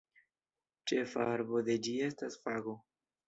Ĉefa arbo de ĝi estas fago.